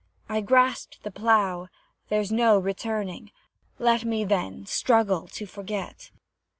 I grasp the plough, there's no returning, Let me, then, struggle to forget.